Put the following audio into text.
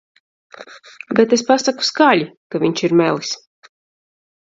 Bet es pasaku skaļi, ka viņš ir melis.